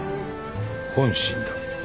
本心だ。